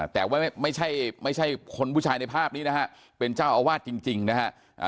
แต่ว่าไม่ใช่ไม่ใช่คนผู้ชายในภาพนี้นะฮะเป็นเจ้าอาวาสจริงนะฮะ